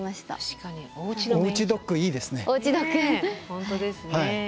本当ですね。